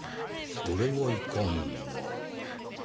それはいかんな。